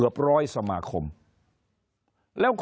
คนในวงการสื่อ๓๐องค์กร